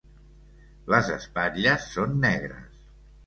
Les espatlles són negres.